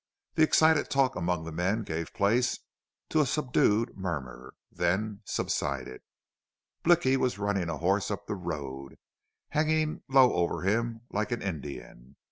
The excited talk among the men gave place, to a subdued murmur, then subsided. Blicky was running a horse up the road, hanging low over him, like an Indian.